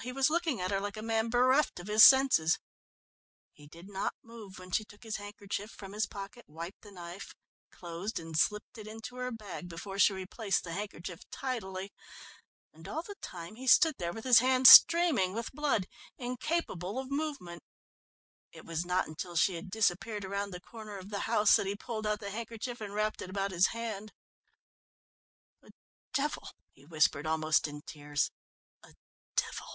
He was looking at her like a man bereft of his senses. He did not move when she took his handkerchief from his pocket, wiped the knife, closed and slipped it into her bag, before she replaced the handkerchief tidily. And all the time he stood there with his hand streaming with blood, incapable of movement. It was not until she had disappeared round the corner of the house that he pulled out the handkerchief and wrapped it about his hand. "A devil," he whimpered, almost in tears, "a devil!"